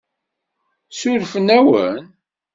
Surfen-awen?